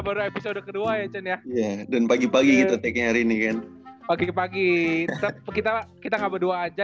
baru episode kedua ya chan ya dan pagi pagi gitu take nya hari ini kan pagi pagi kita nggak berdua aja